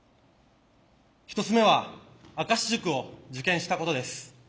１つ目は明石塾を受験したことです。